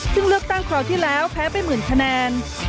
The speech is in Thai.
ซึ่งเลือกตั้งคราวที่แล้วแพ้ไปหมื่นคะแนน